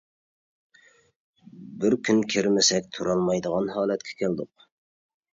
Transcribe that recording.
بىر كۈن كىرمىسەك تۇرالمايدىغان ھالەتكە كەلدۇق.